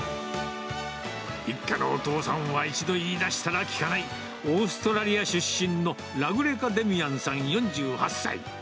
一家のお父さんは一度言いだしたら聞かない、オーストラリア出身のラグレカ・デミアンさん４８歳。